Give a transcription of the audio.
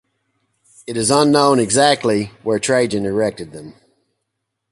It is unknown exactly where Trajan erected them.